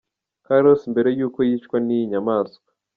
Carlos mbere y’uko yicwa n’iyi nyamaswa.